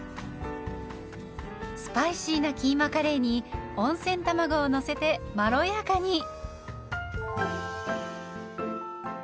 スパイシーなキーマカレーに温泉卵をのせてまろやかに。